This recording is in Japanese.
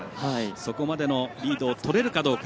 そこまでのリードをとれるかどうか。